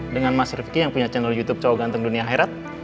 dengan mas rifiki yang punya channel youtube cowok ganteng dunia herat